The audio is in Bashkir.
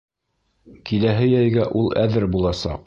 Киләһе йәйгә ул әҙер буласаҡ.